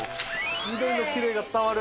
緑のきれいが伝わる。